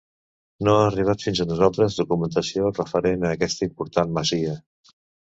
No ha arribat fins a nosaltres documentació referent a aquesta important masia.